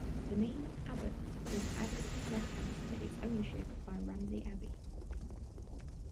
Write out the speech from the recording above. The name "Abbots" was added in reference to its ownership by Ramsey Abbey.